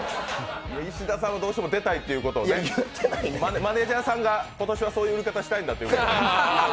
石田さんがどうしても出たいということをね、マネージャーさんが今年はそういう売り方をしたいんだと。